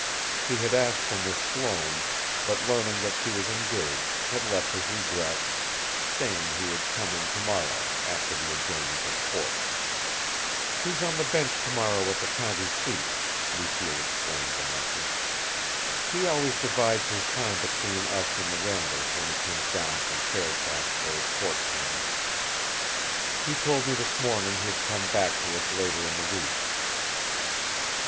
He had asked for Miss Sloane, but, learning that she was engaged, had left his regrets, saying he would come in tomorrow, after the adjournment of court. "He's on the bench tomorrow at the county seat," Lucille explained the message. "He always divides his time between us and the Randalls when he comes down from Fairfax for his court terms. He told me this morning he'd come back to us later in the week."